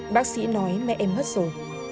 bác sĩ nói mẹ em mất rồi